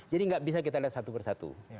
jadi gak bisa kita lihat satu persatu